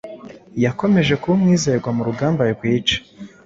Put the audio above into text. Yakomeje kuba umwizerwa mu rugamba rwica